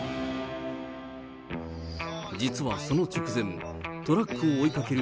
実はその直前、トラックを追いかける